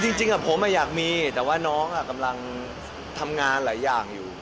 จริงผมอยากมีแต่ว่าน้องกำลังทำงานหลายอย่างอยู่